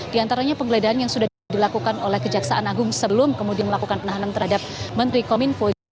di antaranya penggeledahan yang sudah dilakukan oleh kejaksaan agung sebelum kemudian melakukan penahanan terhadap menteri kominfo